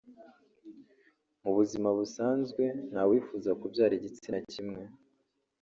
Mu buzima busanzwe nta wifuza kubyara igitsina kimwe